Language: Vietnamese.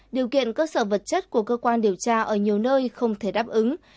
điều kiện cơ sở vật chất của cơ quan điều tra ở nhiều nơi không thể đáp ứng